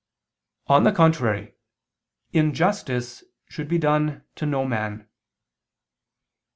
On the contrary, Injustice should be done to no man.